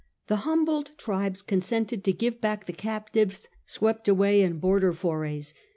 The humbled tribes consented to give back the captives swept away in border forays.